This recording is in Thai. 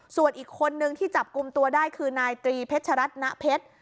ส่วนอีกคนนึงที่จับกลุ่มตัวได้คือนายตรีเพชรัตนเพชร